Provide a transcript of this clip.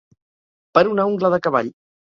Per una ungla de cavall.